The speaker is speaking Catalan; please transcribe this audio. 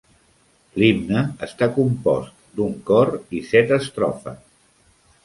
L'himne està compost d'un cor i set estrofes.